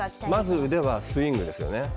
まず腕はスイングですよね。